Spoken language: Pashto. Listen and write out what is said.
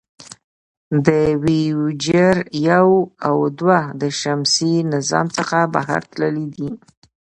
د وویجر یو او دوه د شمسي نظام څخه بهر تللي دي.